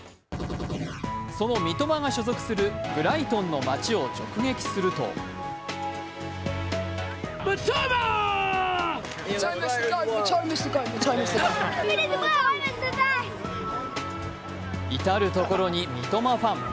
その三笘が所属するブライトンの町を直撃すると至る所に三笘ファン。